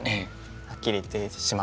はっきり言ってしまうと。